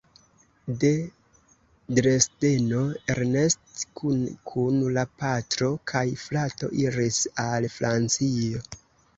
De Dresdeno Ernest kune kun la patro kaj frato iris al Francio.